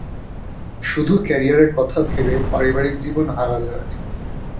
শুধু ক্যারিয়ারের কথা ভেবে পারিবারিক জীবন আড়াল রাখেন।